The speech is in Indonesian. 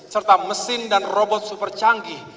serta mesin dan robot super canggih